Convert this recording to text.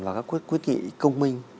vào các quyết nghị công minh